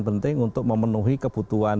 penting untuk memenuhi kebutuhan